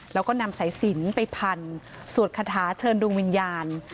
แล้วก็นำสายสินไปพันสวดคาถาเชิญดวงวิญญาณ